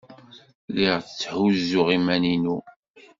Lliɣ tthuzzuɣ iman-inu.